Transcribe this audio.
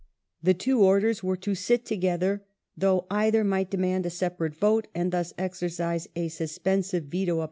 The two " Orders " were to sit together, though either might demand a separate vote and thus exercise a suspensive veto upon the other.